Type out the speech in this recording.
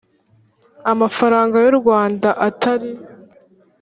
amafaranga y u rwanda atari